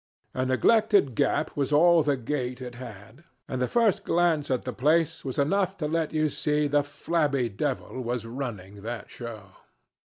A neglected gap was all the gate it had, and the first glance at the place was enough to let you see the flabby devil was running that show.